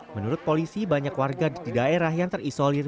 menurut polisi banyak warga di daerah yang terisolir